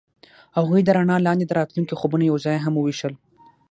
هغوی د رڼا لاندې د راتلونکي خوبونه یوځای هم وویشل.